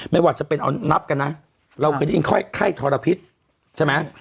ไม่ว่าจะเป็นเอานับกันนะเราก็ยิ่งไข้ทรพิษใช่ไหม